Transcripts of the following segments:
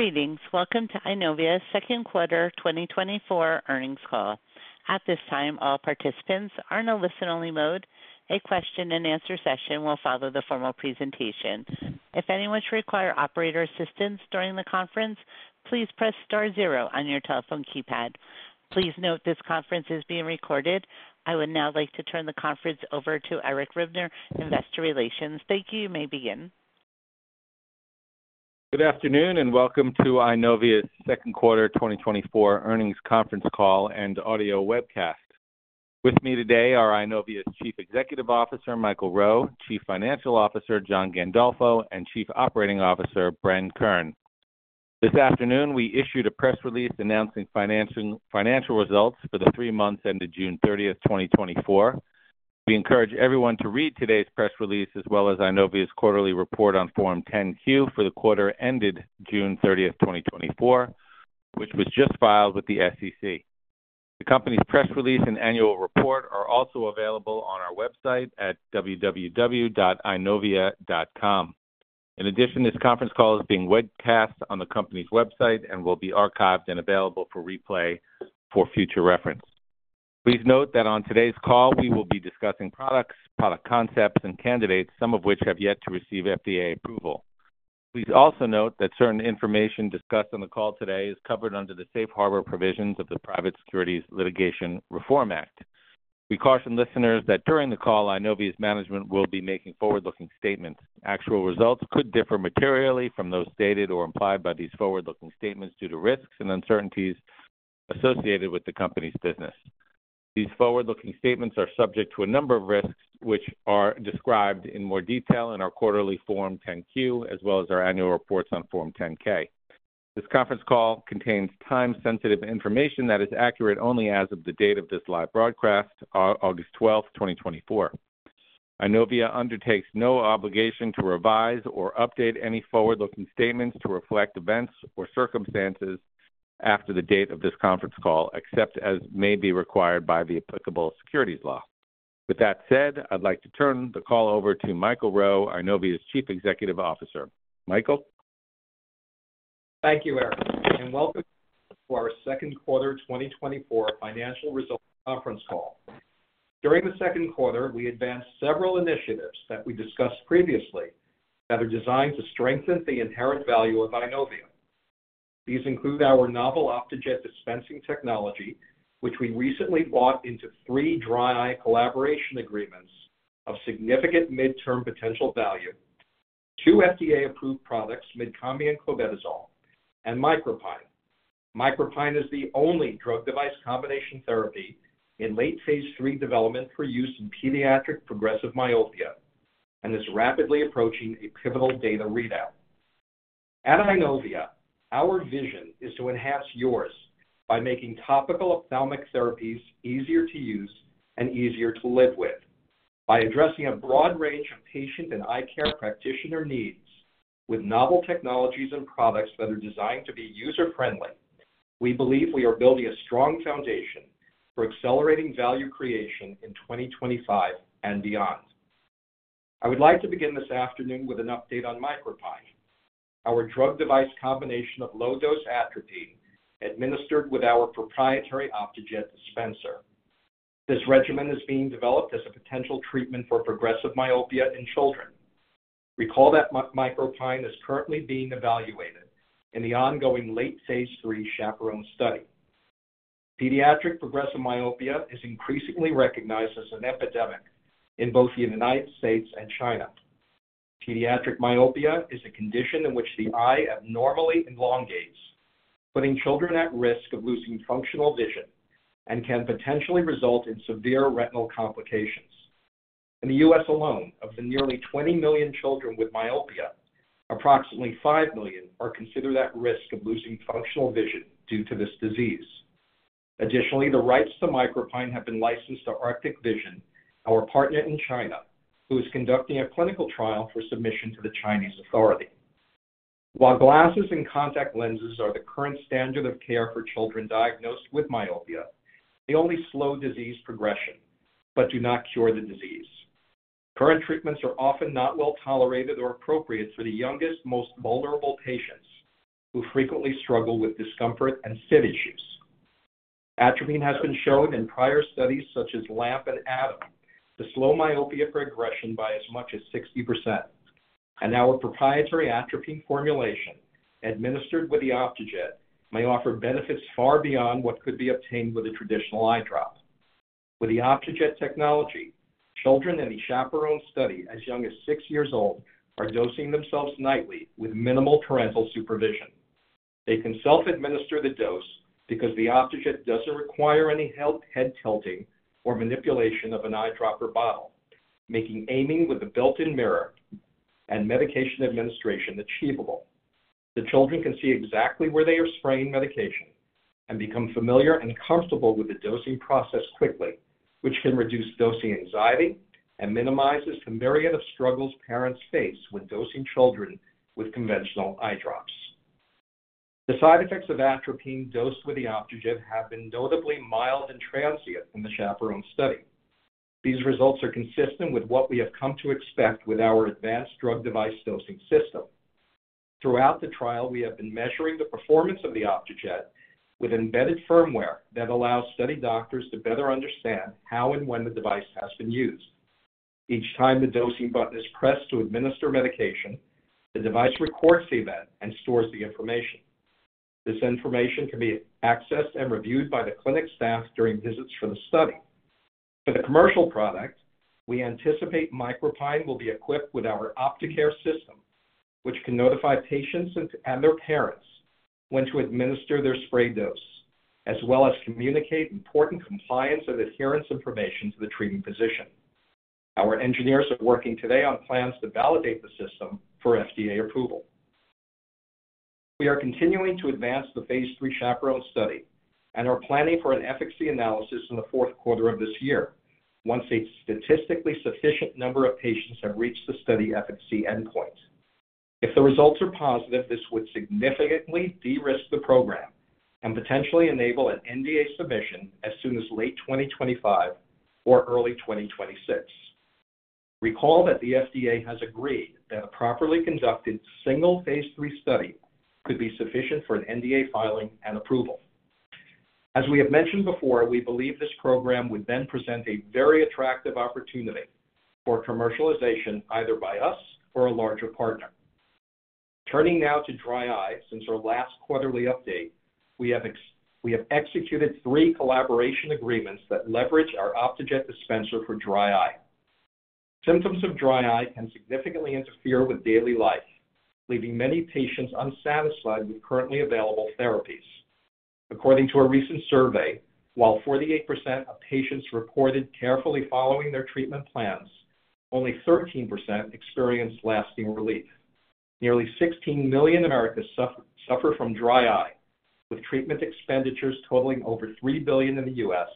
Greetings. Welcome to Eyenovia's second quarter 2024 earnings call. At this time, all participants are in a listen-only mode. A question-and-answer session will follow the formal presentation. If anyone should require operator assistance during the conference, please press star zero on your telephone keypad. Please note this conference is being recorded. I would now like to turn the conference over to Eric Ribner, Investor Relations. Thank you. You may begin. Good afternoon, and welcome to Eyenovia's second quarter 2024 earnings conference call and audio webcast. With me today are Eyenovia's Chief Executive Officer, Michael Rowe, Chief Financial Officer, John Gandolfo, and Chief Operating Officer, Bren Kern. This afternoon, we issued a press release announcing financial results for the three months ended June 30th, 2024. We encourage everyone to read today's press release, as well as Eyenovia's quarterly report on Form 10-Q for the quarter ended June 30th, 2024, which was just filed with the SEC. The company's press release and annual report are also available on our website at www.eyenovia.com. In addition, this conference call is being webcast on the company's website and will be archived and available for replay for future reference. Please note that on today's call, we will be discussing products, product concepts, and candidates, some of which have yet to receive FDA approval. Please also note that certain information discussed on the call today is covered under the safe harbor provisions of the Private Securities Litigation Reform Act. We caution listeners that during the call, Eyenovia's management will be making forward-looking statements. Actual results could differ materially from those stated or implied by these forward-looking statements due to risks and uncertainties associated with the company's business. These forward-looking statements are subject to a number of risks, which are described in more detail in our quarterly Form 10-Q, as well as our annual reports on Form 10-K. This conference call contains time-sensitive information that is accurate only as of the date of this live broadcast, August 12th, 2024. Eyenovia undertakes no obligation to revise or update any forward-looking statements to reflect events or circumstances after the date of this conference call, except as may be required by the applicable securities law. With that said, I'd like to turn the call over to Michael Rowe, Eyenovia's Chief Executive Officer. Michael? Thank you, Eric, and welcome to our second quarter 2024 financial results conference call. During the second quarter, we advanced several initiatives that we discussed previously that are designed to strengthen the inherent value of Eyenovia. These include our novel Optejet dispensing technology, which we recently bought into 3 dry eye collaboration agreements of significant midterm potential value, 2 FDA-approved products, Mydcombi and clobetasol, and MicroPine. MicroPine is the only drug device combination therapy in late phase III development for use in pediatric progressive myopia and is rapidly approaching a pivotal data readout. At Eyenovia, our vision is to enhance yours by making topical ophthalmic therapies easier to use and easier to live with. By addressing a broad range of patient and eye care practitioner needs with novel technologies and products that are designed to be user-friendly, we believe we are building a strong foundation for accelerating value creation in 2025 and beyond. I would like to begin this afternoon with an update on MicroPine, our drug device combination of low-dose atropine administered with our proprietary Optejet dispenser. This regimen is being developed as a potential treatment for progressive myopia in children. Recall that MicroPine is currently being evaluated in the ongoing late phase III CHAPERONE study. Pediatric progressive myopia is increasingly recognized as an epidemic in both the United States and China. Pediatric myopia is a condition in which the eye abnormally elongates, putting children at risk of losing functional vision and can potentially result in severe retinal complications. In the U.S. alone, of the nearly 20 million children with myopia, approximately 5 million are considered at risk of losing functional vision due to this disease. Additionally, the rights to MicroPine have been licensed to Arctic Vision, our partner in China, who is conducting a clinical trial for submission to the Chinese authority. While glasses and contact lenses are the current standard of care for children diagnosed with myopia, they only slow disease progression, but do not cure the disease. Current treatments are often not well tolerated or appropriate for the youngest, most vulnerable patients, who frequently struggle with discomfort and fit issues. Atropine has been shown in prior studies such as LAMP and ATOM to slow myopia progression by as much as 60%, and our proprietary atropine formulation, administered with the Optejet, may offer benefits far beyond what could be obtained with a traditional eye drop. With the Optejet technology, children in the CHAPERONE study as young as six years old are dosing themselves nightly with minimal parental supervision. They can self-administer the dose because the Optejet doesn't require any help, head tilting, or manipulation of an eyedropper bottle, making aiming with a built-in mirror and medication administration achievable. The children can see exactly where they are spraying medication and become familiar and comfortable with the dosing process quickly, which can reduce dosing anxiety and minimizes the myriad of struggles parents face when dosing children with conventional eye drops. The side effects of atropine dosed with the Optejet have been notably mild and transient in the CHAPERONE study. These results are consistent with what we have come to expect with our advanced drug device dosing system. Throughout the trial, we have been measuring the performance of the Optejet with embedded firmware that allows study doctors to better understand how and when the device has been used. Each time the dosing button is pressed to administer medication, the device records the event and stores the information. This information can be accessed and reviewed by the clinic staff during visits for the study. For the commercial product, we anticipate MicroPine will be equipped with our Optecare system, which can notify patients and their parents when to administer their spray dose, as well as communicate important compliance and adherence information to the treating physician. Our engineers are working today on plans to validate the system for FDA approval. We are continuing to advance the phase III CHAPERONE study and are planning for an efficacy analysis in the fourth quarter of this year, once a statistically sufficient number of patients have reached the study efficacy endpoint. If the results are positive, this would significantly de-risk the program and potentially enable an NDA submission as soon as late 2025 or early 2026. Recall that the FDA has agreed that a properly conducted single phase III study could be sufficient for an NDA filing and approval. As we have mentioned before, we believe this program would then present a very attractive opportunity for commercialization, either by us or a larger partner. Turning now to dry eye. Since our last quarterly update, we have executed three collaboration agreements that leverage our Optejet dispenser for dry eye. Symptoms of dry eye can significantly interfere with daily life, leaving many patients unsatisfied with currently available therapies. According to a recent survey, while 48% of patients reported carefully following their treatment plans, only 13% experienced lasting relief. Nearly 16 million Americans suffer from dry eye, with treatment expenditures totaling over $3 billion in the U.S.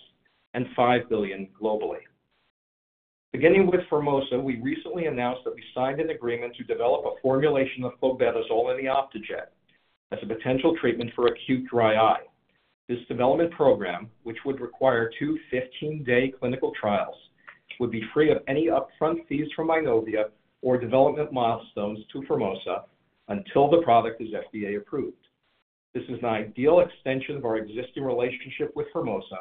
and $5 billion globally. Beginning with Formosa, we recently announced that we signed an agreement to develop a formulation of clobetasol in the Optejet as a potential treatment for acute dry eye. This development program, which would require two 15-day clinical trials, would be free of any upfront fees from Eyenovia or development milestones to Formosa until the product is FDA-approved. This is an ideal extension of our existing relationship with Formosa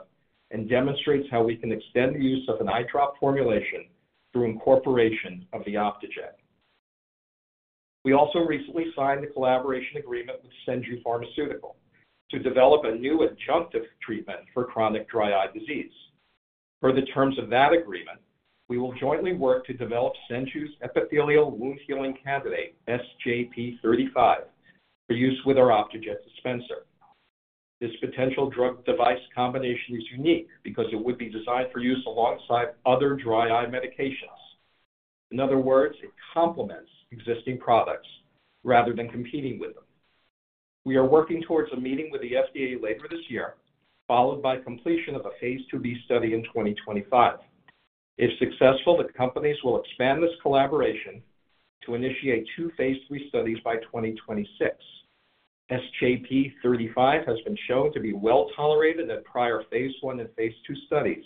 and demonstrates how we can extend the use of an eye drop formulation through incorporation of the Optejet. We also recently signed a collaboration agreement with Senju Pharmaceutical to develop a new adjunctive treatment for chronic dry eye disease. Per the terms of that agreement, we will jointly work to develop Senju's epithelial wound-healing candidate, SJP-0035, for use with our Optejet dispenser. This potential drug-device combination is unique because it would be designed for use alongside other dry eye medications. In other words, it complements existing products rather than competing with them. We are working towards a meeting with the FDA later this year, followed by completion of a phase II-B study in 2025. If successful, the companies will expand this collaboration to initiate two phase III studies by 2026. SJP-0035 has been shown to be well-tolerated in prior phase one and phase two studies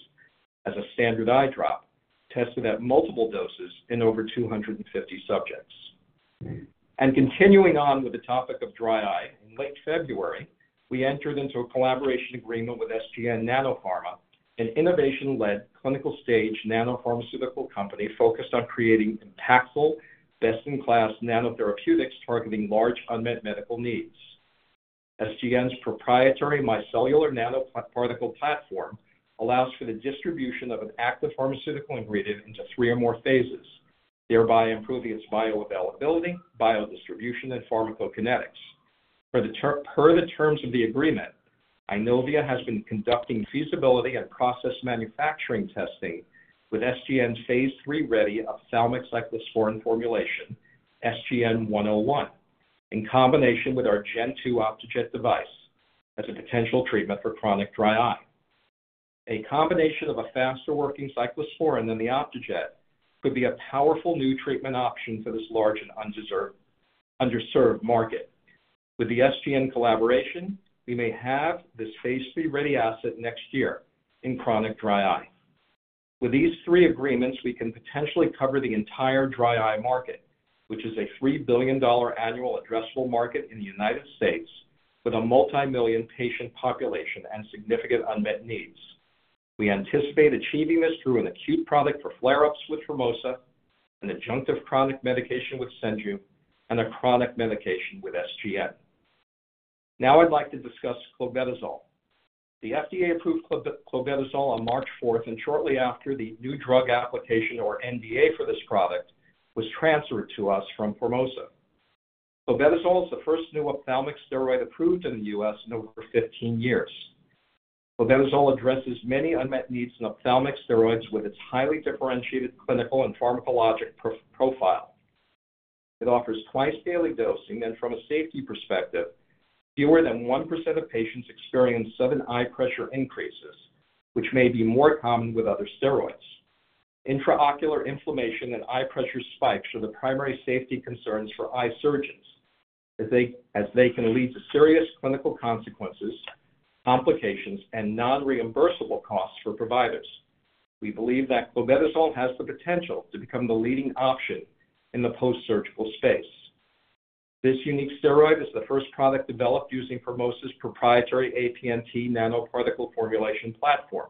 as a standard eye drop, tested at multiple doses in over 250 subjects. Continuing on with the topic of dry eye, in late February, we entered into a collaboration agreement with SGN Nanopharma, an innovation-led, clinical-stage nanopharmaceutical company focused on creating impactful, best-in-class nanotherapeutics targeting large unmet medical needs. SGN's proprietary Micellar Nanoparticle Platform allows for the distribution of an active pharmaceutical ingredient into three or more phases, thereby improving its bioavailability, biodistribution, and pharmacokinetics. Per the terms of the agreement, Eyenovia has been conducting feasibility and process manufacturing testing with SGN's phase III-ready ophthalmic cyclosporine formulation, SGN-101, in combination with our Gen 2 Optejet device as a potential treatment for chronic dry eye. A combination of a faster-working cyclosporine than the Optejet could be a powerful new treatment option for this large and underserved market. With the SGN collaboration, we may have this phase III-ready asset next year in chronic dry eye. With these three agreements, we can potentially cover the entire dry eye market, which is a $3 billion annual addressable market in the United States, with a multimillion patient population and significant unmet needs. We anticipate achieving this through an acute product for flare-ups with Formosa, an adjunctive chronic medication with Senju, and a chronic medication with SGN. Now I'd like to discuss clobetasol. The FDA approved clobetasol on March 4th, and shortly after, the new drug application, or NDA, for this product was transferred to us from Formosa. clobetasol is the first new ophthalmic steroid approved in the U.S. in over 15 years. clobetasol addresses many unmet needs in ophthalmic steroids with its highly differentiated clinical and pharmacologic profile. It offers twice-daily dosing, and from a safety perspective, fewer than 1% of patients experience sudden eye pressure increases, which may be more common with other steroids. Intraocular inflammation and eye pressure spikes are the primary safety concerns for eye surgeons, as they can lead to serious clinical consequences, complications, and non-reimbursable costs for providers. We believe that clobetasol has the potential to become the leading option in the post-surgical space. This unique steroid is the first product developed using Formosa's proprietary APNT nanoparticle formulation platform.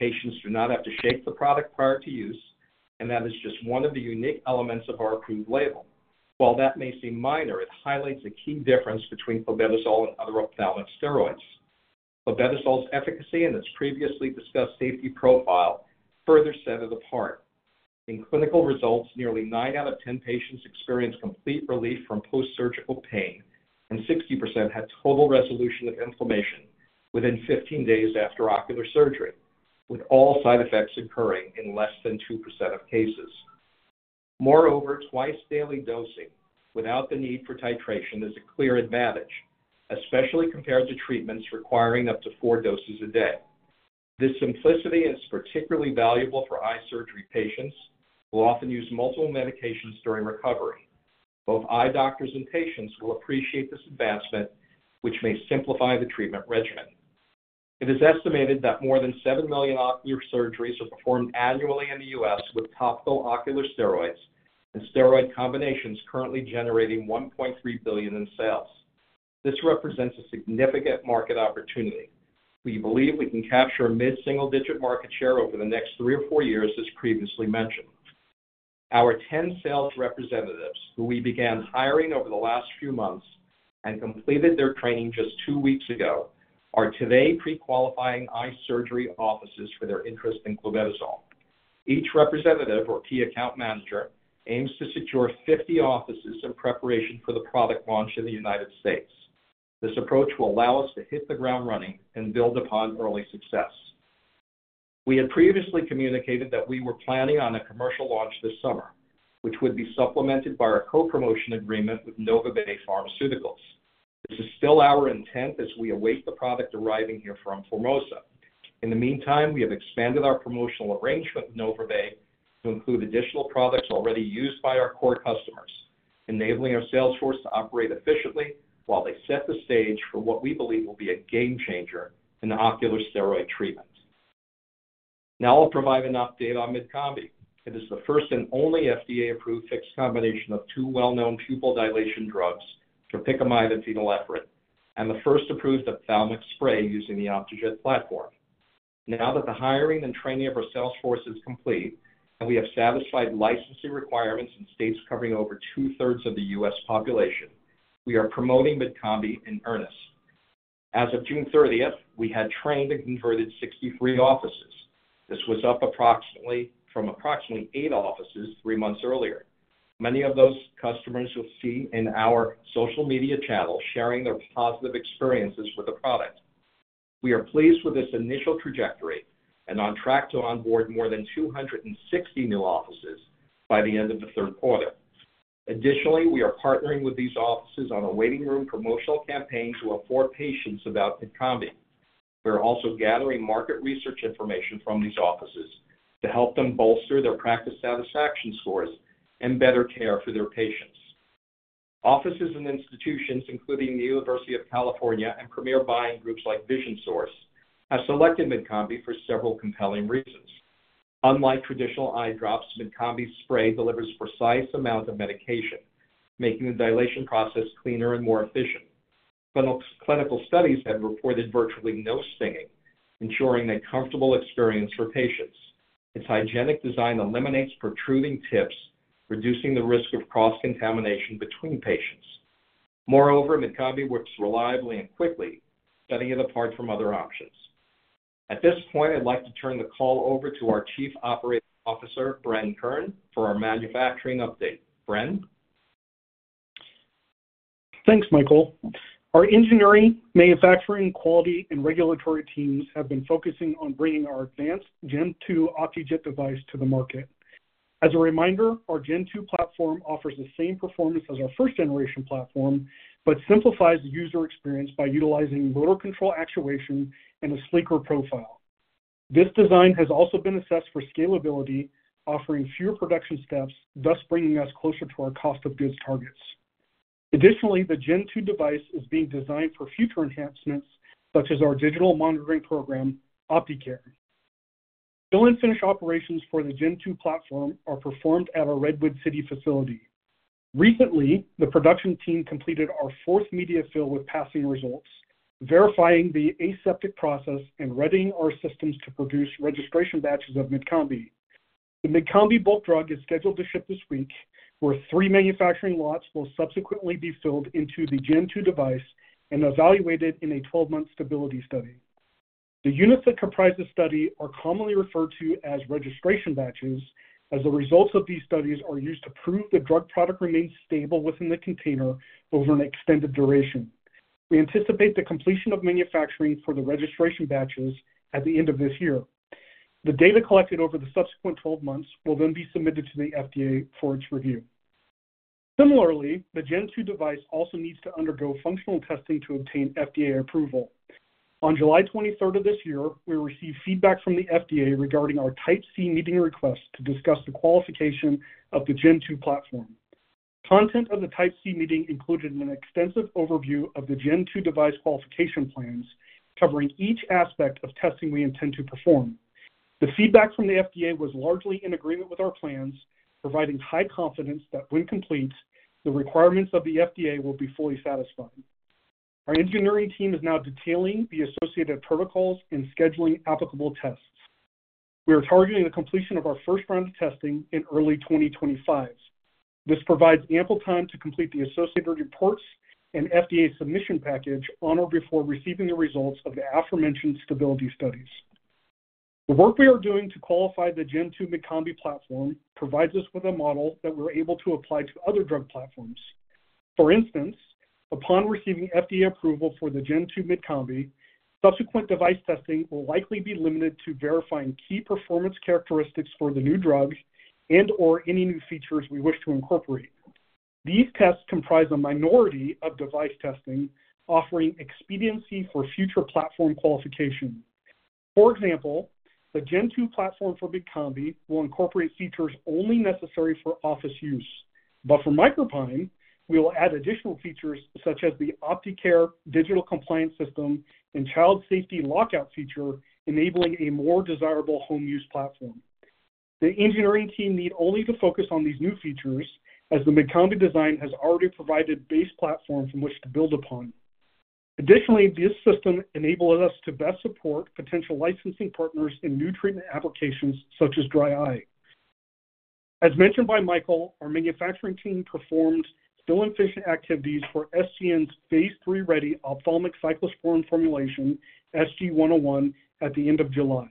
Patients do not have to shake the product prior to use, and that is just one of the unique elements of our approved label. While that may seem minor, it highlights a key difference between clobetasol and other ophthalmic steroids. Clobetasol's efficacy and its previously discussed safety profile further set it apart. In clinical results, nearly 9 out of 10 patients experienced complete relief from post-surgical pain, and 60% had total resolution of inflammation within 15 days after ocular surgery, with all side effects occurring in less than 2% of cases. Moreover, twice-daily dosing without the need for titration is a clear advantage, especially compared to treatments requiring up to four doses a day. This simplicity is particularly valuable for eye surgery patients, who often use multiple medications during recovery. Both eye doctors and patients will appreciate this advancement, which may simplify the treatment regimen. It is estimated that more than 7 million ocular surgeries are performed annually in the U.S., with topical ocular steroids and steroid combinations currently generating $1.3 billion in sales. This represents a significant market opportunity. We believe we can capture a mid-single-digit market share over the next three or four years, as previously mentioned. Our 10 sales representatives, who we began hiring over the last few months and completed their training just two weeks ago, are today pre-qualifying eye surgery offices for their interest in clobetasol. Each representative or key account manager aims to secure 50 offices in preparation for the product launch in the United States. This approach will allow us to hit the ground running and build upon early success. We had previously communicated that we were planning on a commercial launch this summer, which would be supplemented by our co-promotion agreement with NovaBay Pharmaceuticals. This is still our intent as we await the product arriving here from Formosa. In the meantime, we have expanded our promotional arrangement with NovaBay to include additional products already used by our core customers, enabling our sales force to operate efficiently while they set the stage for what we believe will be a game changer in ocular steroid treatment. Now I'll provide an update on Mydcombi. It is the first and only FDA-approved fixed combination of two well-known pupil dilation drugs, tropicamide and phenylephrine, and the first approved ophthalmic spray using the Optejet platform. Now that the hiring and training of our sales force is complete, and we have satisfied licensing requirements in states covering over two-thirds of the U.S. population, we are promoting Mydcombi in earnest. As of June 30th, we had trained and converted 63 offices. This was up approximately, from approximately eight offices three months earlier. Many of those customers you'll see in our social media channels, sharing their positive experiences with the product. We are pleased with this initial trajectory and on track to onboard more than 260 new offices by the end of the third quarter. Additionally, we are partnering with these offices on a waiting room promotional campaign to inform patients about Mydcombi. We are also gathering market research information from these offices to help them bolster their practice satisfaction scores and better care for their patients. Offices and institutions, including the University of California and premier buying groups like Vision Source, have selected Mydcombi for several compelling reasons. Unlike traditional eye drops, Mydcombi's spray delivers precise amounts of medication, making the dilation process cleaner and more efficient. Clinical studies have reported virtually no stinging, ensuring a comfortable experience for patients. Its hygienic design eliminates protruding tips, reducing the risk of cross-contamination between patients. Moreover, Mydcombi works reliably and quickly, setting it apart from other options. At this point, I'd like to turn the call over to our Chief Operating Officer, Bren Kern, for our manufacturing update. Bren? Thanks, Michael. Our engineering, manufacturing, quality, and regulatory teams have been focusing on bringing our advanced Gen 2 Optejet device to the market. As a reminder, our Gen 2 platform offers the same performance as our first-generation platform, but simplifies the user experience by utilizing motor control actuation and a sleeker profile. This design has also been assessed for scalability, offering fewer production steps, thus bringing us closer to our cost of goods targets. Additionally, the Gen 2 device is being designed for future enhancements, such as our digital monitoring program, Optecare. Fill and finish operations for the Gen 2 platform are performed at our Redwood City facility. Recently, the production team completed our fourth media fill with passing results, verifying the aseptic process and readying our systems to produce registration batches of Mydcombi. The Mydcombi bulk drug is scheduled to ship this week, where three manufacturing lots will subsequently be filled into the Gen 2 device and evaluated in a 12-month stability study. The units that comprise the study are commonly referred to as registration batches, as the results of these studies are used to prove the drug product remains stable within the container over an extended duration. We anticipate the completion of manufacturing for the registration batches at the end of this year. The data collected over the subsequent 12 months will then be submitted to the FDA for its review. Similarly, the Gen 2 device also needs to undergo functional testing to obtain FDA approval. On July 23rd of this year, we received feedback from the FDA regarding our Type C meeting request to discuss the qualification of the Gen 2 platform. Content of the Type C meeting included an extensive overview of the Gen 2 device qualification plans, covering each aspect of testing we intend to perform. The feedback from the FDA was largely in agreement with our plans, providing high confidence that when complete, the requirements of the FDA will be fully satisfied. Our engineering team is now detailing the associated protocols and scheduling applicable tests. We are targeting the completion of our first round of testing in early 2025. This provides ample time to complete the associated reports and FDA submission package on or before receiving the results of the aforementioned stability studies. The work we are doing to qualify the Gen 2 Mydcombi platform provides us with a model that we're able to apply to other drug platforms. For instance, upon receiving FDA approval for the Gen 2 Mydcombi, subsequent device testing will likely be limited to verifying key performance characteristics for the new drug and or any new features we wish to incorporate. These tests comprise a minority of device testing, offering expediency for future platform qualification. For example, the Gen 2 platform for Mydcombi will incorporate features only necessary for office use. But for MicroPine, we will add additional features such as the Optecare digital compliance system and child safety lockout feature, enabling a more desirable home use platform. The engineering team need only to focus on these new features, as the Mydcombi design has already provided base platforms in which to build upon. Additionally, this system enables us to best support potential licensing partners in new treatment applications such as dry eye. As mentioned by Michael, our manufacturing team performed fill and finish activities for SGN's phase III-ready ophthalmic cyclosporine formulation, SGN-101, at the end of July.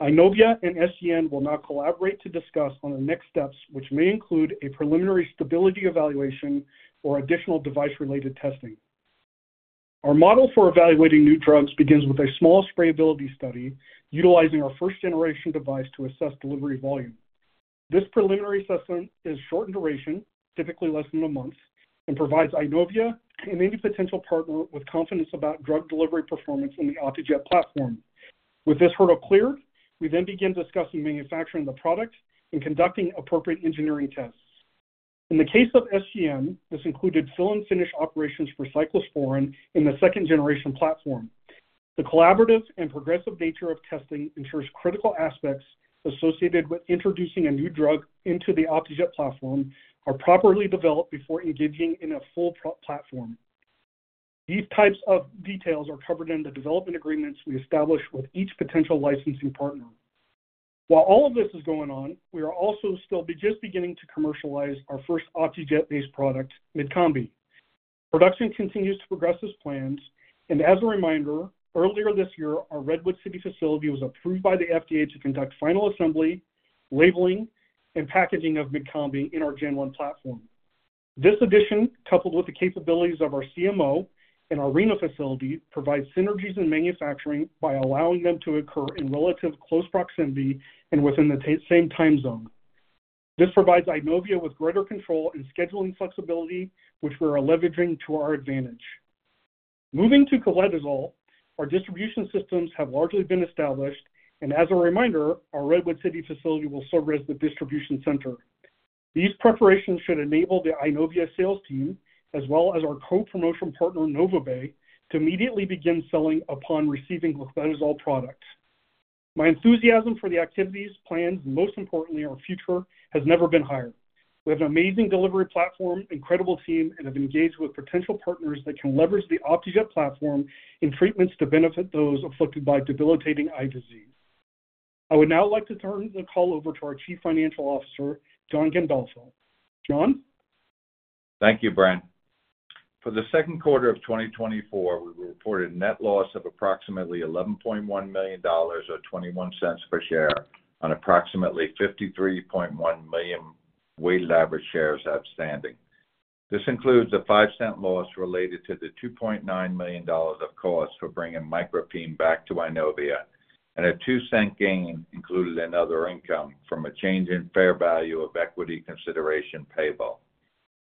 Eyenovia and SGN will now collaborate to discuss on the next steps, which may include a preliminary stability evaluation or additional device-related testing. Our model for evaluating new drugs begins with a small sprayability study utilizing our first-generation device to assess delivery volume. This preliminary assessment is short in duration, typically less than a month, and provides Eyenovia and any potential partner with confidence about drug delivery performance in the Optejet platform. With this hurdle cleared, we then begin discussing manufacturing the product and conducting appropriate engineering tests. In the case of SGN, this included fill and finish operations for cyclosporine in the second generation platform. The collaborative and progressive nature of testing ensures critical aspects associated with introducing a new drug into the Optejet platform are properly developed before engaging in a full platform. These types of details are covered in the development agreements we establish with each potential licensing partner. While all of this is going on, we are also still just beginning to commercialize our first Optejet-based product, Mydcombi. Production continues to progress as planned, and as a reminder, earlier this year, our Redwood City facility was approved by the FDA to conduct final assembly, labeling, and packaging of Mydcombi in our Gen 1 platform. This addition, coupled with the capabilities of our CMO and our Reno facility, provides synergies in manufacturing by allowing them to occur in relatively close proximity and within the same time zone. This provides Eyenovia with greater control and scheduling flexibility, which we are leveraging to our advantage. Moving to clobetasol, our distribution systems have largely been established, and as a reminder, our Redwood City facility will serve as the distribution center. These preparations should enable the Eyenovia sales team, as well as our co-promotion partner, NovaBay, to immediately begin selling upon receiving clobetasol products. My enthusiasm for the activities, plans, and most importantly, our future, has never been higher. We have an amazing delivery platform, incredible team, and have engaged with potential partners that can leverage the Optejet platform in treatments to benefit those afflicted by debilitating eye disease. I would now like to turn the call over to our Chief Financial Officer, John Gandolfo. John? Thank you, Bren. For the second quarter of 2024, we reported net loss of approximately $11.1 million, or $0.21 per share, on approximately 53.1 million weighted average shares outstanding. This includes a $0.05 loss related to the $2.9 million of cost for bringing MicroPine back to Eyenovia, and a $0.02 gain included in other income from a change in fair value of equity consideration payable.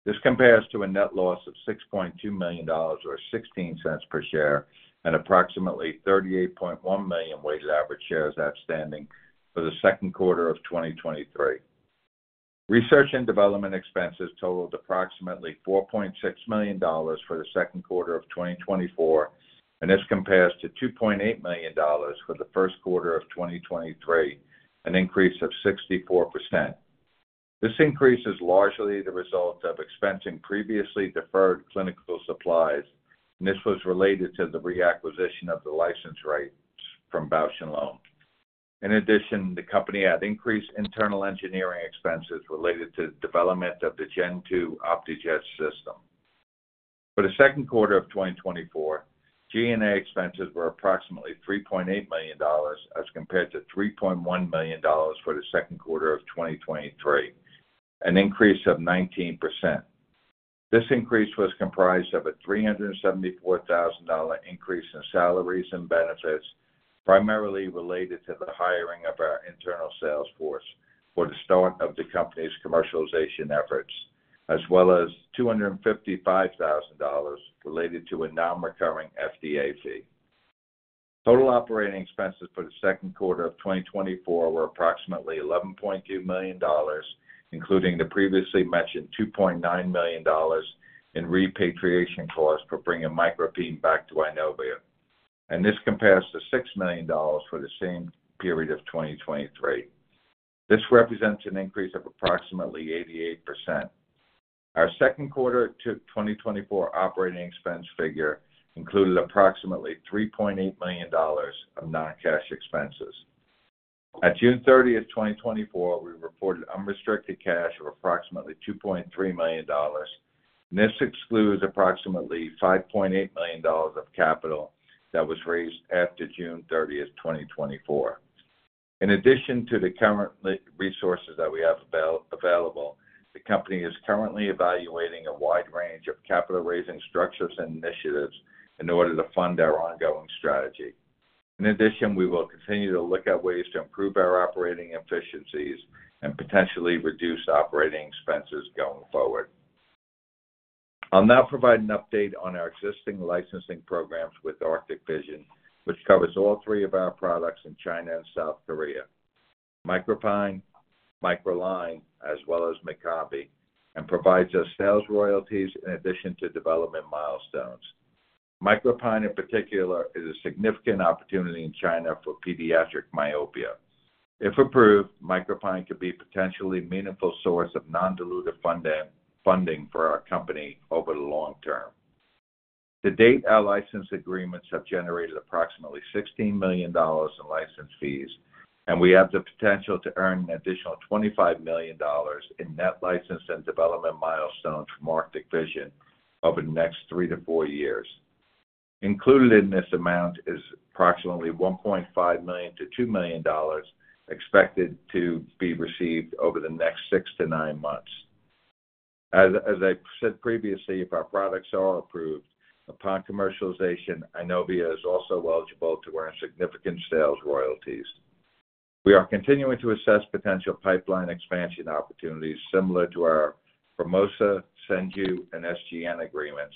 This compares to a net loss of $6.2 million, or $0.16 per share, and approximately 38.1 million weighted average shares outstanding for the second quarter of 2023. Research and development expenses totaled approximately $4.6 million for the second quarter of 2024, and this compares to $2.8 million for the first quarter of 2023, an increase of 64%. This increase is largely the result of expensing previously deferred clinical supplies, and this was related to the reacquisition of the license rights from Bausch + Lomb. In addition, the company had increased internal engineering expenses related to the development of the Gen 2 Optejet system. For the second quarter of 2024, G&A expenses were approximately $3.8 million, as compared to $3.1 million for the second quarter of 2023, an increase of 19%. This increase was comprised of a $374,000 increase in salaries and benefits, primarily related to the hiring of our internal sales force for the start of the company's commercialization efforts, as well as $255,000 related to a nonrecurring FDA fee. Total operating expenses for the second quarter of 2024 were approximately $11.2 million, including the previously mentioned $2.9 million in repatriation costs for bringing MicroPine back to Eyenovia, and this compares to $6 million for the same period of 2023. This represents an increase of approximately 88%. Our second quarter of 2024 operating expense figure included approximately $3.8 million of non-cash expenses. At June 30th, 2024, we reported unrestricted cash of approximately $2.3 million, and this excludes approximately $5.8 million of capital that was raised after June 30th, 2024. In addition to the current resources that we have available, the company is currently evaluating a wide range of capital raising structures and initiatives in order to fund our ongoing strategy. In addition, we will continue to look at ways to improve our operating efficiencies and potentially reduce operating expenses going forward. I'll now provide an update on our existing licensing programs with Arctic Vision, which covers all three of our products in China and South Korea, MicroPine, MicroLine, as well as Mydcombi, and provides us sales royalties in addition to development milestones. MicroPine, in particular, is a significant opportunity in China for pediatric myopia. If approved, MicroPine could be a potentially meaningful source of non-dilutive funding for our company over the long term. To date, our license agreements have generated approximately $16 million in license fees, and we have the potential to earn an additional $25 million in net license and development milestones from Arctic Vision over the next three to four years. Included in this amount is approximately $1.5 million-$2 million, expected to be received over the next six to nine months. As I said previously, if our products are approved upon commercialization, Eyenovia is also eligible to earn significant sales royalties. We are continuing to assess potential pipeline expansion opportunities similar to our Formosa, Senju, and SGN agreements,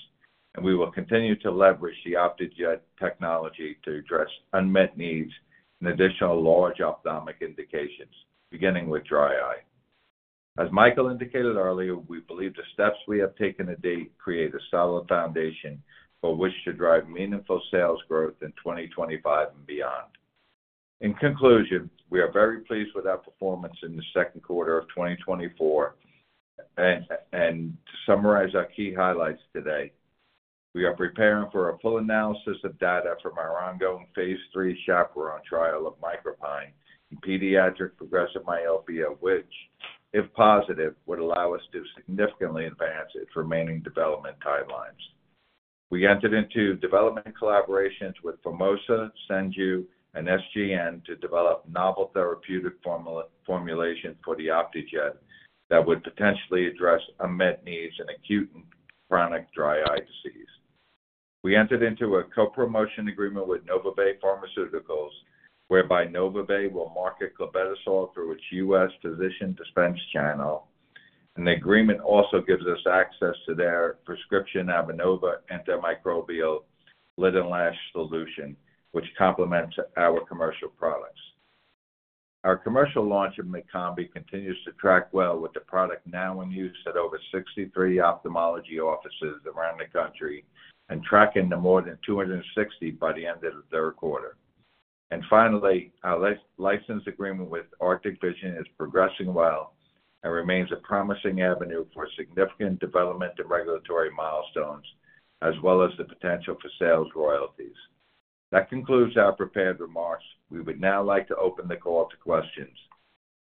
and we will continue to leverage the Optejet technology to address unmet needs and additional large ophthalmic indications, beginning with dry eye. As Michael indicated earlier, we believe the steps we have taken to date create a solid foundation for which to drive meaningful sales growth in 2025 and beyond. In conclusion, we are very pleased with our performance in the second quarter of 2024. To summarize our key highlights today, we are preparing for a full analysis of data from our ongoing phase III CHAPERONE trial of MicroPine in pediatric progressive myopia, which, if positive, would allow us to significantly advance its remaining development timelines. We entered into development collaborations with Formosa, Senju, and SGN to develop novel therapeutic formulations for the Optejet that would potentially address unmet needs in acute and chronic dry eye disease. We entered into a co-promotion agreement with NovaBay Pharmaceuticals, whereby NovaBay will market clobetasol through its U.S. physician dispense channel. The agreement also gives us access to their prescription Avenova Antimicrobial Lid & Lash Solution, which complements our commercial products. Our commercial launch of Mydcombi continues to track well with the product now in use at over 63 ophthalmology offices around the country and tracking to more than 260 by the end of the third quarter. And finally, our license agreement with Arctic Vision is progressing well and remains a promising avenue for significant development and regulatory milestones, as well as the potential for sales royalties. That concludes our prepared remarks. We would now like to open the call to questions.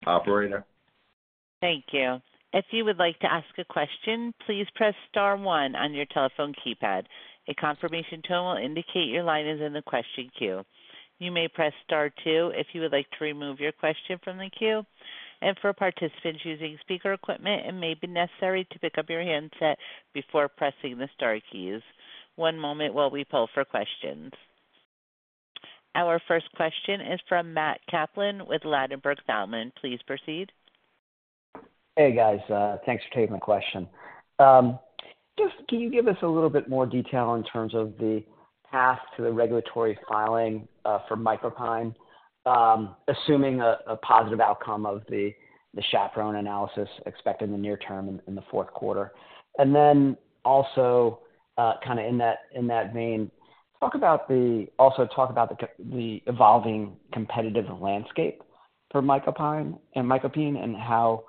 Operator? Thank you. If you would like to ask a question, please press star one on your telephone keypad. A confirmation tone will indicate your line is in the question queue. You may press star two if you would like to remove your question from the queue. For participants using speaker equipment, it may be necessary to pick up your handset before pressing the star keys. One moment while we pull for questions. Our first question is from Matt Kaplan with Ladenburg Thalmann. Please proceed. Hey, guys, thanks for taking the question. Just can you give us a little bit more detail in terms of the path to the regulatory filing for MicroPine, assuming a positive outcome of the CHAPERONE analysis expected in the near term in the fourth quarter? And then also, kind of in that vein, talk about the evolving competitive landscape for MicroPine and MicroPine and how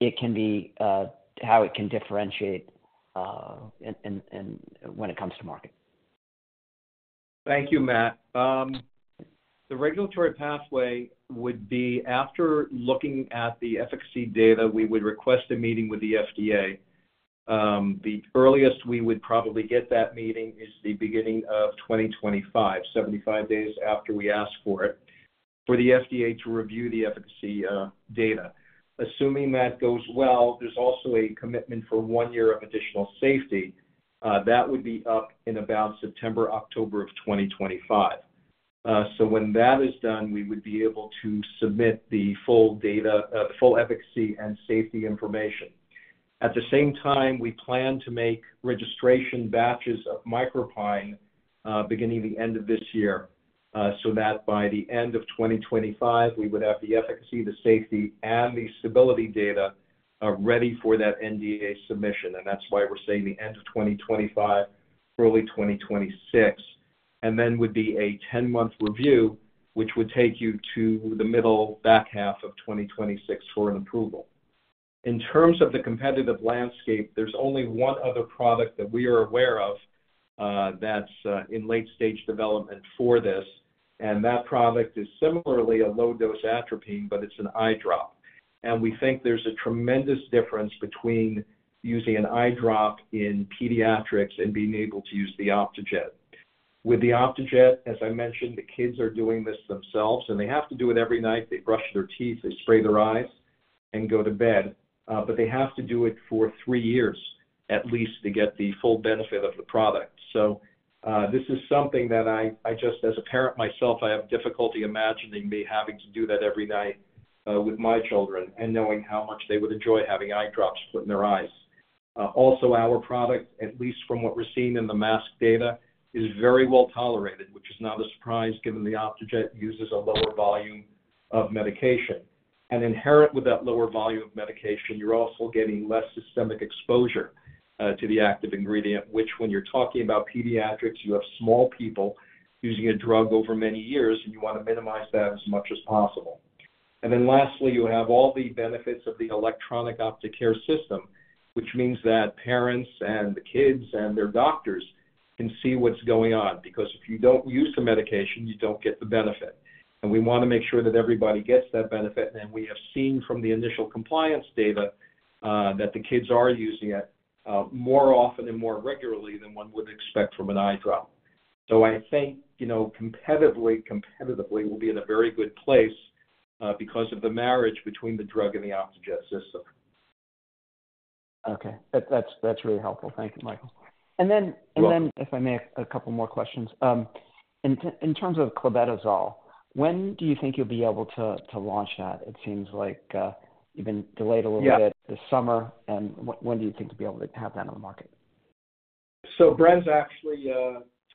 it can differentiate in when it comes to market. Thank you, Matt. The regulatory pathway would be, after looking at the efficacy data, we would request a meeting with the FDA. The earliest we would probably get that meeting is the beginning of 2025, 75 days after we ask for it. For the FDA to review the efficacy, data. Assuming that goes well, there's also a commitment for one year of additional safety. That would be up in about September, October of 2025. So when that is done, we would be able to submit the full data, full efficacy and safety information. At the same time, we plan to make registration batches of MicroPine, beginning the end of this year, so that by the end of 2025, we would have the efficacy, the safety, and the stability data, ready for that NDA submission, and that's why we're saying the end of 2025, early 2026. And then would be a 10-month review, which would take you to the middle back half of 2026 for an approval. In terms of the competitive landscape, there's only one other product that we are aware of, that's in late-stage development for this, and that product is similarly a low-dose atropine, but it's an eye drop. And we think there's a tremendous difference between using an eye drop in pediatrics and being able to use the Optejet. With the Optejet, as I mentioned, the kids are doing this themselves, and they have to do it every night. They brush their teeth, they spray their eyes, and go to bed. But they have to do it for three years at least to get the full benefit of the product. So, this is something that I just as a parent myself, I have difficulty imagining me having to do that every night, with my children and knowing how much they would enjoy having eye drops put in their eyes. Also our product, at least from what we're seeing in the masked data, is very well tolerated, which is not a surprise given the Optejet uses a lower volume of medication. And inherent with that lower volume of medication, you're also getting less systemic exposure, to the active ingredient, which when you're talking about pediatrics, you have small people using a drug over many years, and you wanna minimize that as much as possible. And then lastly, you have all the benefits of the electronic Optecare system, which means that parents and the kids and their doctors can see what's going on. Because if you don't use the medication, you don't get the benefit. And we wanna make sure that everybody gets that benefit. And we have seen from the initial compliance data, that the kids are using it, more often and more regularly than one would expect from an eye drop. So I think, you know, competitively, competitively, we'll be in a very good place, because of the marriage between the drug and the Optejet system. Okay. That's really helpful. Thank you, Michael. And then You're welcome. Then, if I may, a couple more questions. In terms of clobetasol, when do you think you'll be able to launch that? It seems like you've been delayed a little bit Yeah This summer, and when do you think you'll be able to have that on the market? So Bren's actually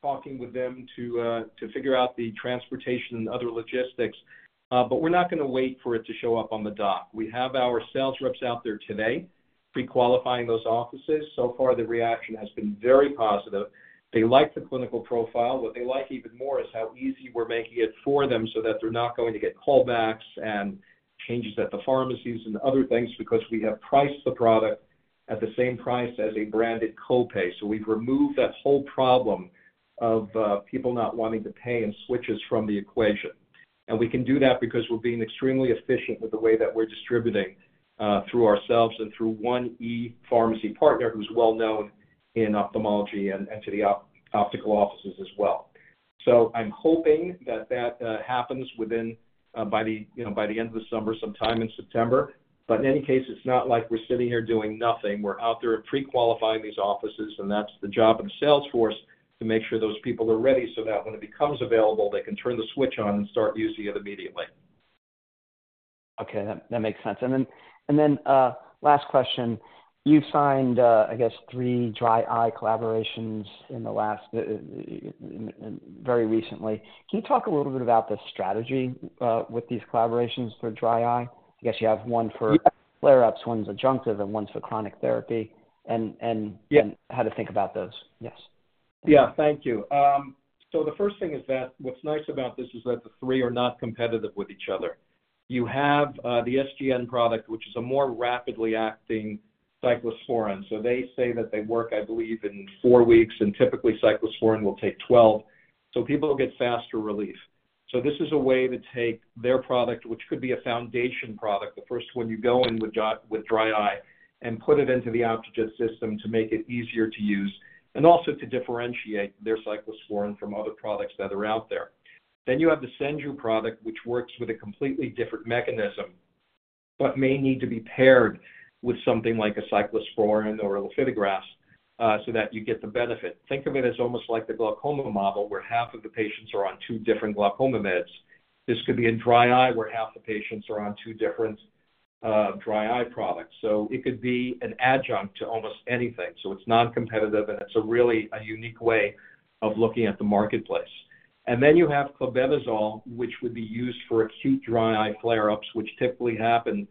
talking with them to figure out the transportation and other logistics, but we're not gonna wait for it to show up on the dock. We have our sales reps out there today, pre-qualifying those offices. So far, the reaction has been very positive. They like the clinical profile. What they like even more is how easy we're making it for them so that they're not going to get callbacks and changes at the pharmacies and other things because we have priced the product at the same price as a branded co-pay. So we've removed that whole problem of people not wanting to pay and switches from the equation. We can do that because we're being extremely efficient with the way that we're distributing through ourselves and through one e-pharmacy partner who's well known in ophthalmology and to the optical offices as well. So I'm hoping that happens within by the, you know, by the end of the summer, sometime in September. But in any case, it's not like we're sitting here doing nothing. We're out there pre-qualifying these offices, and that's the job of the salesforce to make sure those people are ready so that when it becomes available, they can turn the switch on and start using it immediately. Okay, that makes sense. And then last question: You've signed, I guess, three dry eye collaborations in the last, very recently. Can you talk a little bit about the strategy with these collaborations for dry eye? I guess you have one for flare-ups, one's adjunctive, and one's for chronic therapy, and how to think about those? Yes. Yeah. Thank you. So the first thing is that what's nice about this is that the three are not competitive with each other. You have the SGN product, which is a more rapidly acting cyclosporine. So they say that they work, I believe, in four weeks, and typically, cyclosporine will take 12. So people will get faster relief. So this is a way to take their product, which could be a foundation product, the first one you go in with dry, with dry eye, and put it into the Optejet system to make it easier to use, and also to differentiate their cyclosporine from other products that are out there. Then you have the Senju product, which works with a completely different mechanism, but may need to be paired with something like a cyclosporine or lifitegrast, so that you get the benefit. Think of it as almost like the glaucoma model, where half of the patients are on two different glaucoma meds. This could be in dry eye, where half the patients are on two different, dry eye products. So it could be an adjunct to almost anything. So it's non-competitive, and it's a really a unique way of looking at the marketplace. And then you have clobetasol, which would be used for acute dry eye flare-ups, which typically happen,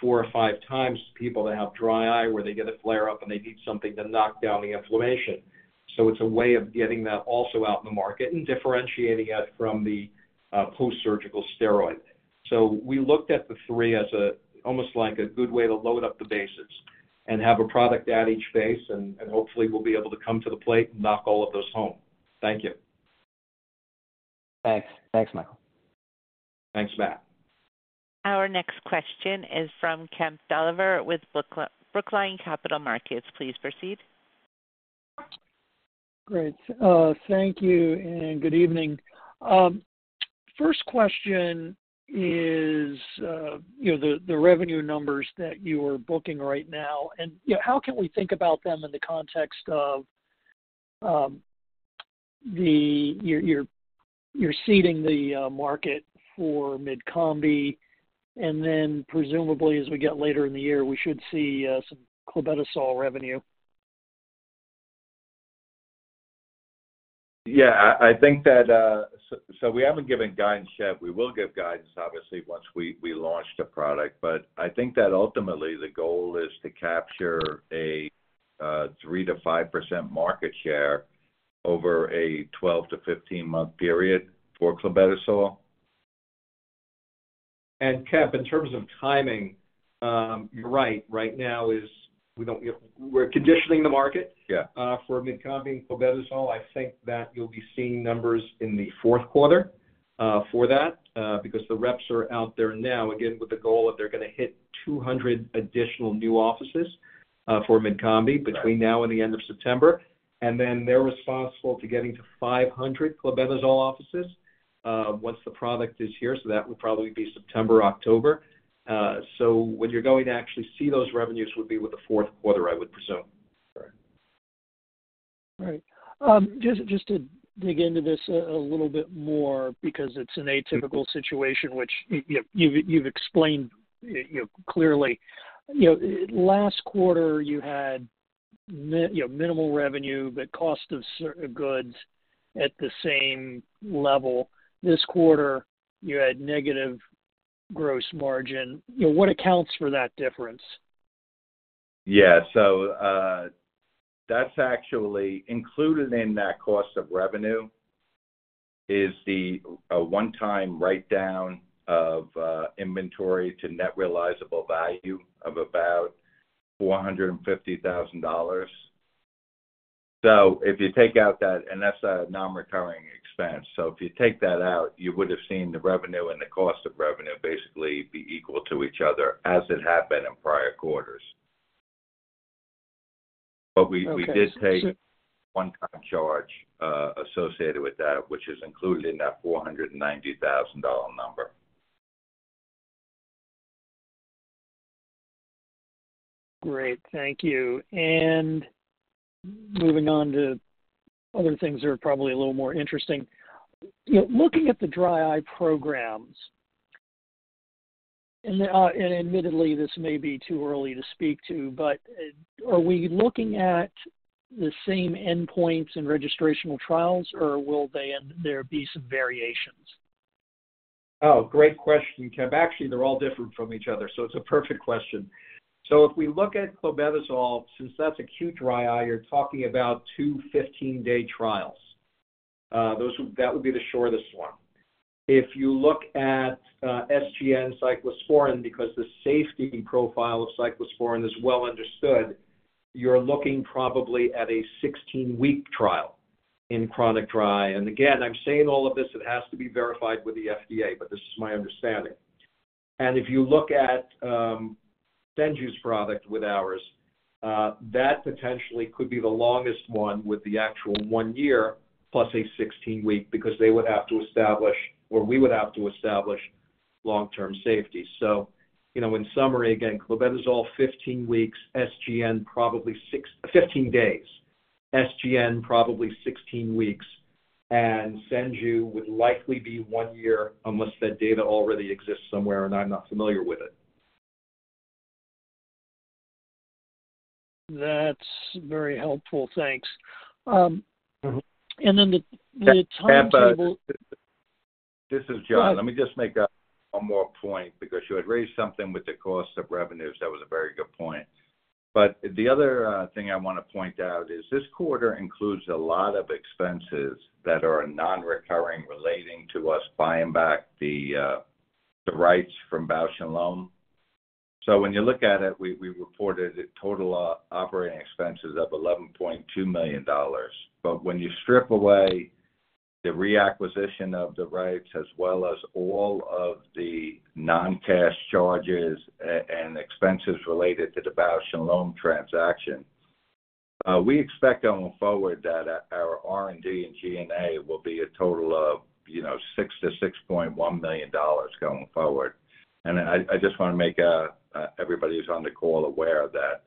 four or five times to people that have dry eye, where they get a flare-up, and they need something to knock down the inflammation. So it's a way of getting that also out in the market and differentiating it from the, post-surgical steroid. So we looked at the three as almost like a good way to load up the bases and have a product at each base, and hopefully we'll be able to come to the plate and knock all of those home. Thank you. Thanks. Thanks, Michael. Thanks, Matt. Our next question is from Kemp Dolliver with Brookline Capital Markets. Please proceed. Great. Thank you, and good evening. First question is, you know, the revenue numbers that you are booking right now, and, you know, how can we think about them in the context of, you're seeding the market for Mydcombi, and then presumably, as we get later in the year, we should see some clobetasol revenue. Yeah, I think that, so we haven't given guidance, Kemp. We will give guidance, obviously, once we launch the product. But I think that ultimately the goal is to capture a 3%-5% market share over a 12- to 15-month period for clobetasol. Kemp, in terms of timing, you're right. Right now is we don't, you know, we're conditioning the market for Mydcombi and clobetasol. I think that you'll be seeing numbers in the fourth quarter for that, because the reps are out there now, again, with the goal of they're gonna hit 200 additional new offices for Mydcombi between now and the end of September. And then they're responsible to getting to 500 clobetasol offices once the product is here. So that would probably be September, October. So when you're going to actually see those revenues would be with the fourth quarter, I would presume. Correct. Right. Just to dig into this a little bit more because it's an atypical situation, which you've explained, you know, clearly. You know, last quarter, you had minimal revenue, but cost of goods at the same level. This quarter, you had negative gross margin. You know, what accounts for that difference? Yeah. So, that's actually, included in that cost of revenue, is the, a one-time write-down of, inventory to net realizable value of about $450,000. So if you take out that, and that's a non-recurring expense. So if you take that out, you would have seen the revenue and the cost of revenue basically be equal to each other as it had been in prior quarters. Okay. We, we did take a one-time charge associated with that, which is included in that $490,000 number. Great, thank you. And moving on to other things that are probably a little more interesting. You know, looking at the dry eye programs, and admittedly, this may be too early to speak to, but are we looking at the same endpoints in registrational trials, or will there be some variations? Oh, great question, Kemp. Actually, they're all different from each other, so it's a perfect question. So if we look at clobetasol, since that's acute dry eye, you're talking about two 15-day trials. That would be the shortest one. If you look at SGN cyclosporine, because the safety profile of cyclosporine is well understood, you're looking probably at a 16-week trial in chronic dry eye. And again, I'm saying all of this, it has to be verified with the FDA, but this is my understanding. And if you look at Senju's product with ours, that potentially could be the longest one with the actual 1 year plus a 16 week, because they would have to establish, or we would have to establish long-term safety. So, you know, in summary, again, clobetasol, 15 weeks, SGN, probably 15 days. SGN, probably 16 weeks, and Senju would likely be 1 year, unless that data already exists somewhere, and I'm not familiar with it. That's very helpful. Thanks. Mm-hmm. And then the timetable Kemp, this is John. Go ahead. Let me just make one more point, because you had raised something with the cost of revenues. That was a very good point. But the other thing I want to point out is this quarter includes a lot of expenses that are non-recurring, relating to us buying back the rights from Bausch + Lomb. So when you look at it, we reported a total operating expenses up $11.2 million. But when you strip away the reacquisition of the rights, as well as all of the non-cash charges and expenses related to the Bausch + Lomb transaction, we expect going forward that our R&D and G&A will be a total of, you know, $6 million-$6.1 million going forward. And I just want to make everybody who's on the call aware of that.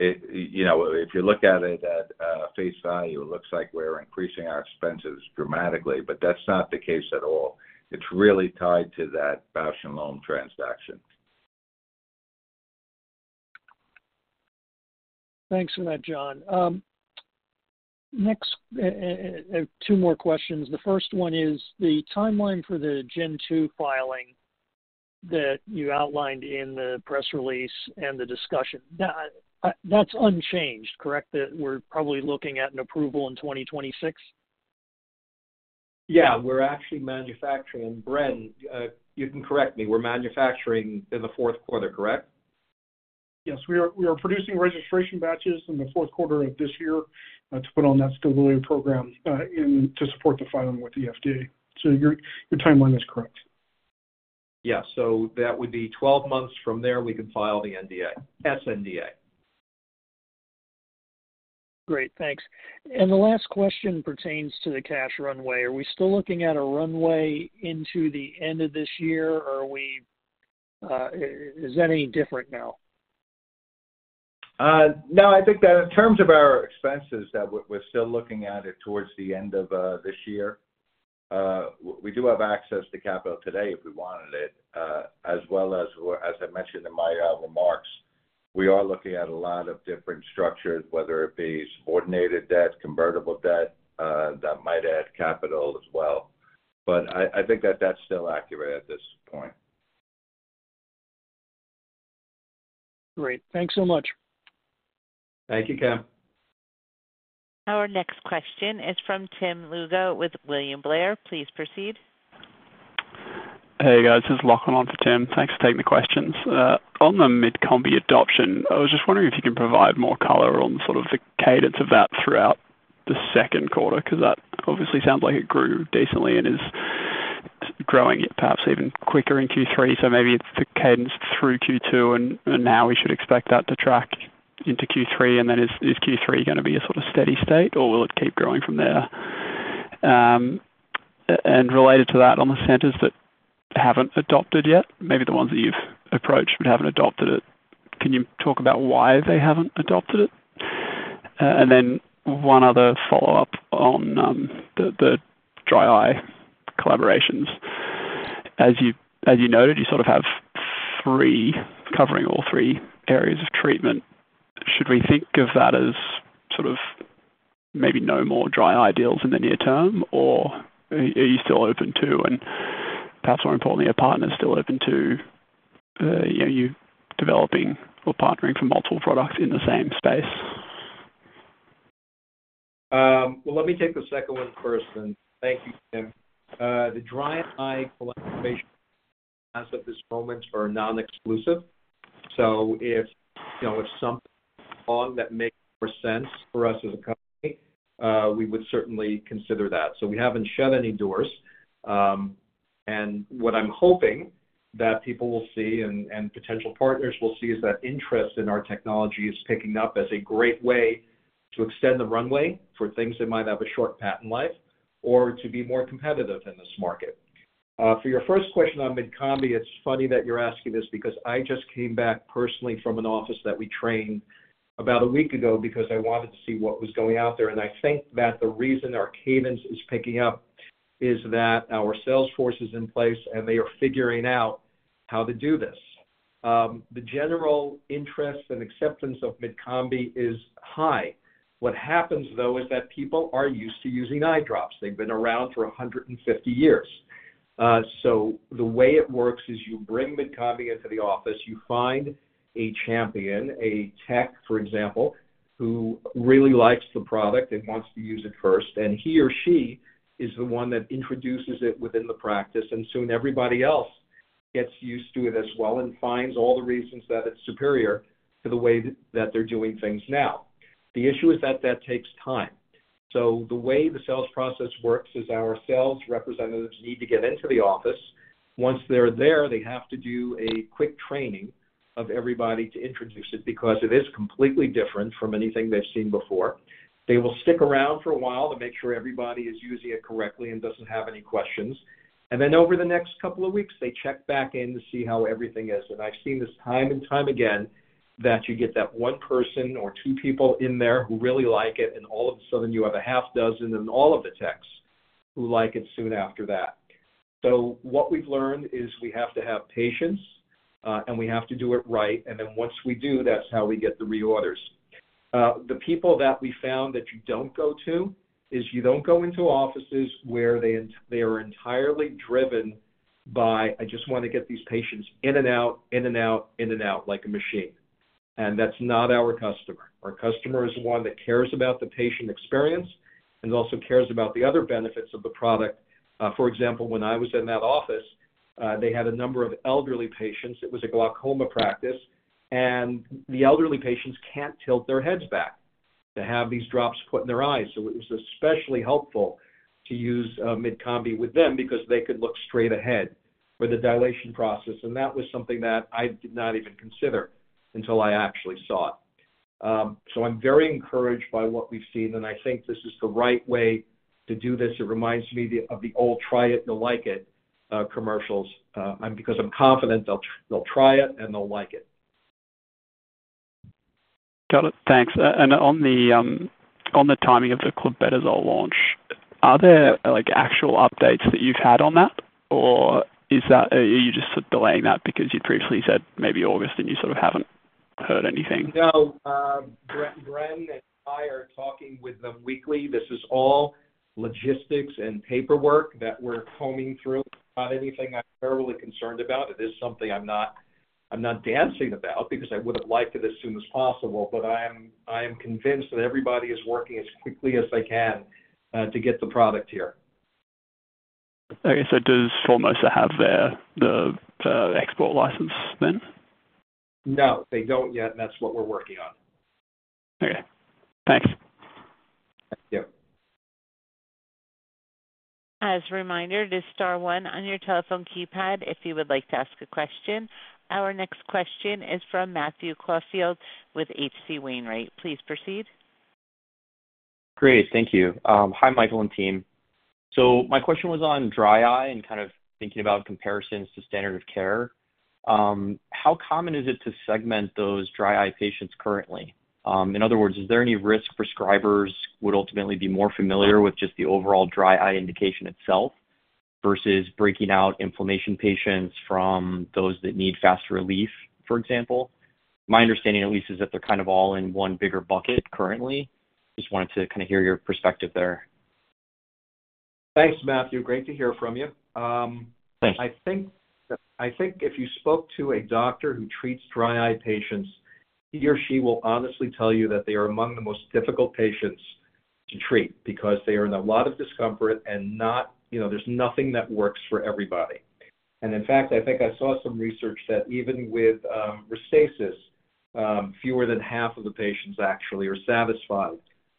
You know, if you look at it at face value, it looks like we're increasing our expenses dramatically, but that's not the case at all. It's really tied to that Bausch + Lomb transaction. Thanks for that, John. Next, two more questions. The first one is the timeline for the Gen 2 filing that you outlined in the press release and the discussion. Now, that's unchanged, correct? That we're probably looking at an approval in 2026? Yeah, we're actually manufacturing. Bren, you can correct me, we're manufacturing in the fourth quarter, correct? Yes, we are, we are producing registration batches in the fourth quarter of this year, to put on that stability program, and to support the filing with the FDA. So your, your timeline is correct. Yeah, so that would be 12 months from there, we can file the NDA, SNDA. Great, thanks. The last question pertains to the cash runway. Are we still looking at a runway into the end of this year, or are we, is that any different now? No, I think that in terms of our expenses, that we're still looking at it towards the end of this year. We do have access to capital today if we wanted it, as well as, as I mentioned in my remarks, we are looking at a lot of different structures, whether it be subordinated debt, convertible debt, that might add capital as well. But I think that that's still accurate at this point. Great. Thanks so much. Thank you, Kemp. Our next question is from Tim Lugo with William Blair. Please proceed. Hey, guys, this is Lachlan on for Tim. Thanks for taking the questions. On the Mydcombi adoption, I was just wondering if you can provide more color on sort of the cadence of that throughout the second quarter, 'cause that obviously sounds like it grew decently and is growing perhaps even quicker in Q3. So maybe it's the cadence through Q2, and now we should expect that to track into Q3, and then is Q3 going to be a sort of steady state, or will it keep growing from there? And related to that, on the centers that haven't adopted yet, maybe the ones that you've approached but haven't adopted it, can you talk about why they haven't adopted it? And then one other follow-up on the dry eye collaborations. As you, as you noted, you sort of have three, covering all three areas of treatment. Should we think of that as sort of maybe no more dry eye deals in the near term, or are you still open to, and perhaps more importantly, are partners still open to, you developing or partnering for multiple products in the same space? Well, let me take the second one first, and thank you, Tim. The dry eye collaboration, as of this moment, are non-exclusive. So if, you know, if something on that makes more sense for us as a company, we would certainly consider that. So we haven't shut any doors. And what I'm hoping that people will see and potential partners will see is that interest in our technology is picking up as a great way to extend the runway for things that might have a short patent life or to be more competitive in this market. For your first question on Mydcombi, it's funny that you're asking this, because I just came back personally from an office that we trained about a week ago because I wanted to see what was going out there. I think that the reason our cadence is picking up is that our sales force is in place, and they are figuring out how to do this. The general interest and acceptance of Mydcombi is high. What happens, though, is that people are used to using eye drops. They've been around for 150 years. So the way it works is you bring Mydcombi into the office, you find a champion, a tech, for example, who really likes the product and wants to use it first, and he or she is the one that introduces it within the practice, and soon everybody else gets used to it as well and finds all the reasons that it's superior to the way that they're doing things now. The issue is that that takes time. The way the sales process works is our sales representatives need to get into the office. Once they're there, they have to do a quick training of everybody to introduce it, because it is completely different from anything they've seen before. They will stick around for a while to make sure everybody is using it correctly and doesn't have any questions. Then over the next couple of weeks, they check back in to see how everything is. I've seen this time and time again, that you get that one person or two people in there who really like it, and all of a sudden you have a half dozen and all of the techs who like it soon after that. So what we've learned is we have to have patience, and we have to do it right, and then once we do, that's how we get the reorders. The people that we found that you don't go to is you don't go into offices where they are entirely driven by, I just want to get these patients in and out, in and out, in and out, like a machine. And that's not our customer. Our customer is one that cares about the patient experience and also cares about the other benefits of the product. For example, when I was in that office, they had a number of elderly patients. It was a glaucoma practice, and the elderly patients can't tilt their heads back to have these drops put in their eyes. So it was especially helpful to use Mydcombi with them because they could look straight ahead for the dilation process, and that was something that I did not even consider until I actually saw it. So I'm very encouraged by what we've seen, and I think this is the right way to do this. It reminds me of the old, "Try it, you'll like it," commercials, and because I'm confident they'll try it and they'll like it. Got it. Thanks. On the timing of the clobetasol launch, are there, like, actual updates that you've had on that? Or is that, are you just delaying that because you previously said maybe August and you sort of haven't heard anything? No, Bren and I are talking with them weekly. This is all logistics and paperwork that we're combing through. Not anything I'm terribly concerned about. It is something I'm not, I'm not dancing about because I would have liked it as soon as possible, but I am, I am convinced that everybody is working as quickly as they can to get the product here. Okay, so does Formosa have the export license then? No, they don't yet. That's what we're working on. Okay, thanks. Thank you. As a reminder, it is star one on your telephone keypad if you would like to ask a question. Our next question is from Matthew Caufield with H.C. Wainwright. Please proceed. Great. Thank you. Hi, Michael and team. So my question was on dry eye and kind of thinking about comparisons to standard of care. How common is it to segment those dry eye patients currently? In other words, is there any risk prescribers would ultimately be more familiar with just the overall dry eye indication itself versus breaking out inflammation patients from those that need faster relief, for example? My understanding, at least, is that they're kind of all in one bigger bucket currently. Just wanted to kind of hear your perspective there. Thanks, Matthew. Great to hear from you. Thanks. I think if you spoke to a doctor who treats dry eye patients, he or she will honestly tell you that they are among the most difficult patients to treat because they are in a lot of discomfort and not, you know, there's nothing that works for everybody. And in fact, I think I saw some research that even with Restasis, fewer than half of the patients actually are satisfied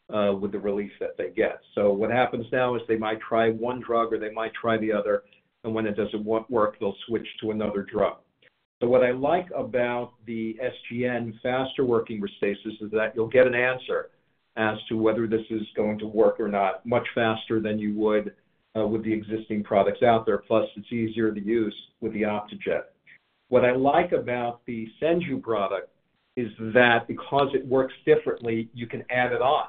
with the relief that they get. So what happens now is they might try one drug, or they might try the other, and when it doesn't work, they'll switch to another drug. So what I like about the SGN faster-working Restasis is that you'll get an answer as to whether this is going to work or not, much faster than you would with the existing products out there. Plus, it's easier to use with the Optejet. What I like about the Senju product is that because it works differently, you can add it on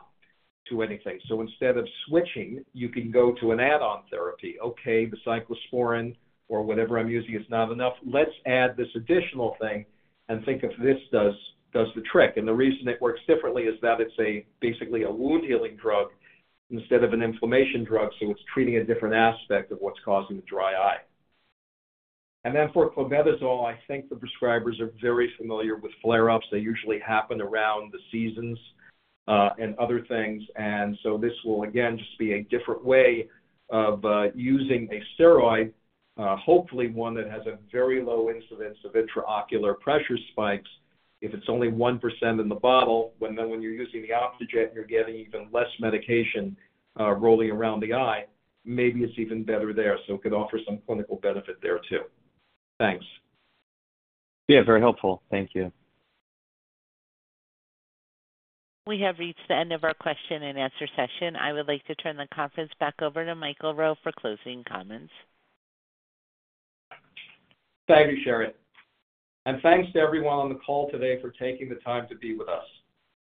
to anything. So instead of switching, you can go to an add-on therapy. Okay, the cyclosporine or whatever I'm using is not enough. Let's add this additional thing and think if this does the trick. And the reason it works differently is that it's basically a wound-healing drug instead of an inflammation drug, so it's treating a different aspect of what's causing the dry eye. And then for clobetasol, I think the prescribers are very familiar with flare-ups. They usually happen around the seasons and other things. And so this will, again, just be a different way of using a steroid, hopefully one that has a very low incidence of intraocular pressure spikes. If it's only 1% in the bottle, when you're using the Optejet, you're getting even less medication rolling around the eye, maybe it's even better there, so it could offer some clinical benefit there, too. Thanks. Yeah, very helpful. Thank you. We have reached the end of our question-and-answer session. I would like to turn the conference back over to Michael Rowe for closing comments. Thank you, Sharon, and thanks to everyone on the call today for taking the time to be with us.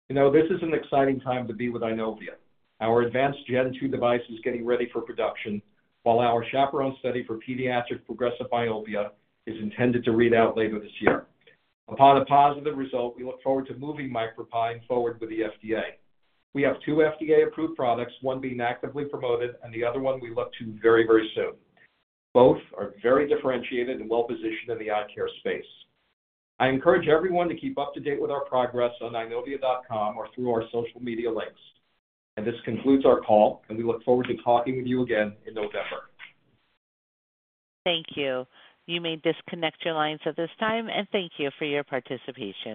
You know, this is an exciting time to be with Eyenovia. Our advanced Gen 2 device is getting ready for production, while our CHAPERONE study for pediatric progressive myopia is intended to read out later this year. Upon a positive result, we look forward to moving MicroPine forward with the FDA. We have two FDA-approved products, one being actively promoted and the other one we look to very, very soon. Both are very differentiated and well-positioned in the eye care space. I encourage everyone to keep up to date with our progress on Eyenovia.com or through our social media links. And this concludes our call, and we look forward to talking with you again in November. Thank you. You may disconnect your lines at this time, and thank you for your participation.